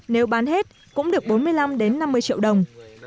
nếu bán hết cũng được bốn mươi năm năm mươi triệu đồng